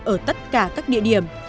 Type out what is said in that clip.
ở tất cả các địa điểm